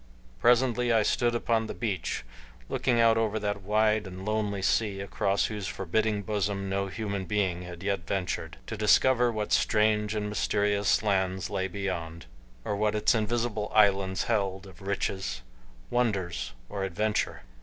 Presently I stood upon the beach looking out over the wide and lonely sea across whose forbidding bosom no human being had yet ventured, to discover what strange and mysterious lands lay beyond, or what its invisible islands held of riches, wonders, or adventure.